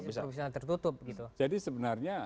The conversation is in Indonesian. proporsional tertutup jadi sebenarnya